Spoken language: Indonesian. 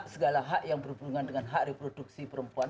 segala hak yang berhubungan dengan hak reproduksi perempuan